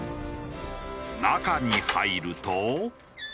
中に入ると。